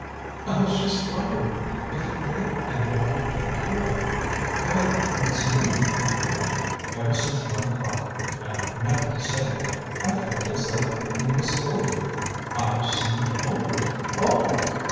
"I was just wondering if it made everybody feel queer. The way it makes me feel. Ever since one o'clock I ought never to say it I've felt as though everything was over. I've seemed old! Old!"